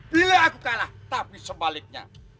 bila aku kalah tapi sebaliknya